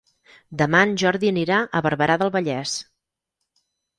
Demà en Jordi anirà a Barberà del Vallès.